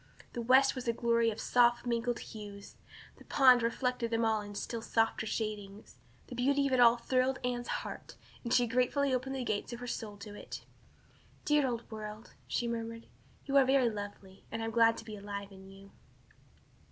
The west was a glory of soft mingled hues, and the pond reflected them all in still softer shadings. The beauty of it all thrilled Anne's heart, and she gratefully opened the gates of her soul to it. "Dear old world," she murmured, "you are very lovely, and I am glad to be alive in you."